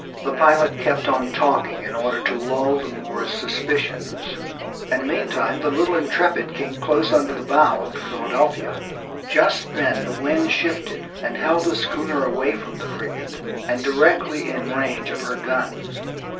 The pilot kept on talking in order to lull the Moors' suspicions, and meantime the little Intrepid came close under the port bow of the Philadelphia. Just then the wind shifted and held the schooner away from the frigate, and directly in range of her guns.